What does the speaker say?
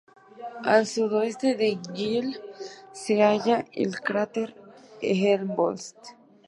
Al sudoeste de Gill se halla el cráter Helmholtz.